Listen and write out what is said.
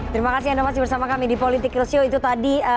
terima kasih anda masih bersama kami di politik ketua radio itu tadi